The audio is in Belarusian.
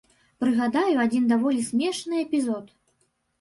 Прыгадаю адзін даволі смешны эпізод.